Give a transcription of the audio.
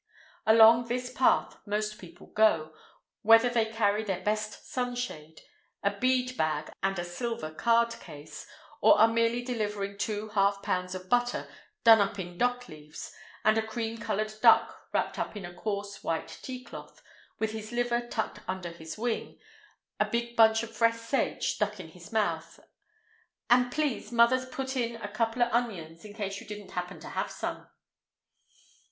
Along this path most people go, whether they carry their best sunshade, a bead bag and a silver card case, or are merely delivering two half pounds of butter done up in dock leaves, and a cream coloured duck wrapped up in a coarse white tea cloth with his liver tucked under his wing, a big bunch of fresh sage stuck in his mouth—"and, please, mother's put in a couple o' onions in case you didn't happen to have none."